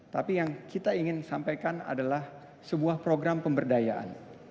tapi yang ingin kami sampaikan adalah sebuah program pemberdayaan